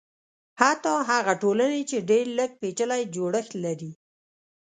حتی هغه ټولنې چې ډېر لږ پېچلی جوړښت لري.